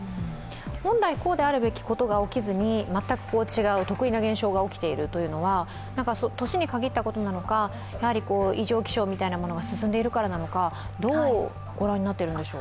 本来こうであるべきことか起きずに、全く違う、特異な現象が起きているというのは、年に限ったことなのか異常気象みたいなものが進んでいるからなのか、どうご覧になっているでしょう？